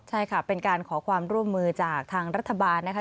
ใช่ค่ะเป็นการขอความร่วมมือจากทางรัฐบาลนะคะ